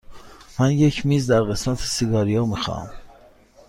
من یک میز در قسمت سیگاری ها می خواهم.